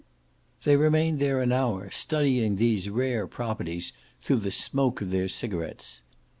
They remained there an hour, studying these rare properties through the smoke of their cigarettes.